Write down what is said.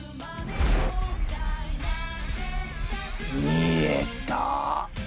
見えた！